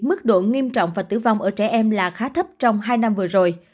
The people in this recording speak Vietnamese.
mức độ nghiêm trọng và tử vong ở trẻ em là khá thấp trong hai năm vừa rồi